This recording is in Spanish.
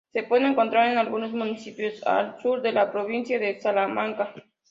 Se puede encontrar en algunos municipios al sur de la provincia de Salamanca.